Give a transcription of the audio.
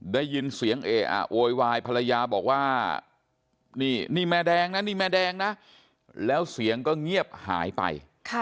ได้ยินเสียงเออะโวยวายภรรยาบอกว่านี่แม่แดงนะนี่แม่แดงนะแล้วเสียงก็เงียบหายไป